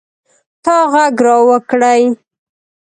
تا ږغ را وکړئ.